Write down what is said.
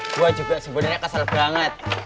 gua juga sebenernya kasel banget